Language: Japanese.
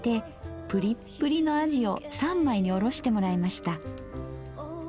プリップリのあじを三枚におろしてもらいました。